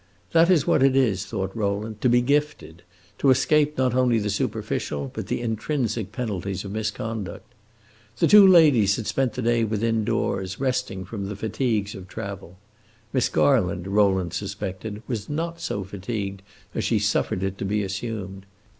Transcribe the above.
That is what it is, thought Rowland, to be "gifted," to escape not only the superficial, but the intrinsic penalties of misconduct. The two ladies had spent the day within doors, resting from the fatigues of travel. Miss Garland, Rowland suspected, was not so fatigued as she suffered it to be assumed.